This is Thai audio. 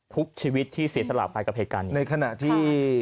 ทุกชีวิตที่เสียสละไปกับเหตุการณ์นี้ในขณะที่